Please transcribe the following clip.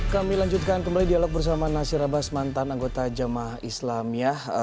kami lanjutkan kembali dialog bersama nasir abbas mantan anggota jamaah islamiyah